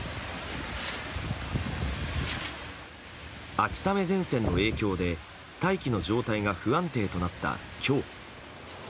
秋雨前線の影響で大気の状態が不安定となった今日。